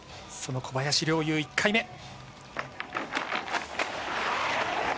その小林陵侑、１回目。